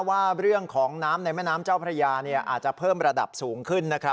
ว่าเรื่องของน้ำในแม่น้ำเจ้าพระยาอาจจะเพิ่มระดับสูงขึ้นนะครับ